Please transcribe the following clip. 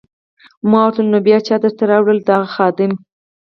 ما ورته وویل: نو بیا چا درته راوړل؟ د هغه خادم.